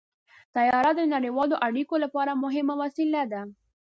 طیاره د نړیوالو اړیکو لپاره مهمه وسیله ده.